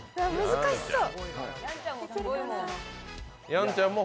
難しそう。